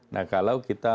nah kalau kita